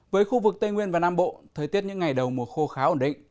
với khu vực tây nguyên và nam bộ thời tiết những ngày đầu mùa khô khá ổn định